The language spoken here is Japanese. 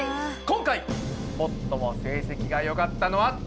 今回最も成績がよかったのは。